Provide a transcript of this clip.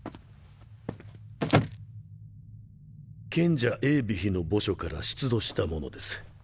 賢者エーヴィヒの墓所から出土したものです。